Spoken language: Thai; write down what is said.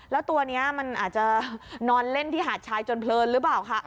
แล้วตัวนี้มันอาจจะนอนเล่นที่หาดชายจนเพลินหรือเปล่าค่ะ